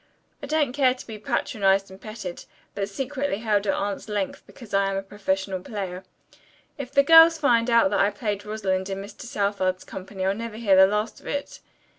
"I don't care to be patronized and petted, but secretly held at arms' length because I am a professional player. If the girls find out that I played Rosalind in Mr. Southard's company I'll never hear the last of it."